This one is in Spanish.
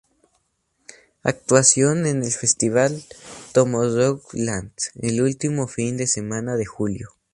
Actuación en el festival Tomorrowland, el último fin de semana de julio.